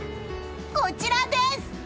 こちらです！